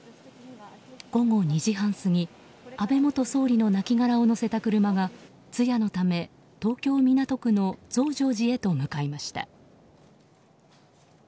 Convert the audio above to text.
午後２時半過ぎ、安倍元総理の亡きがらを乗せた車が通夜のため東京・港区の増上寺へと向かいました。